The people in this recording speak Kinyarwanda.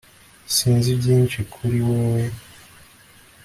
sinzi byinshi kuri wewe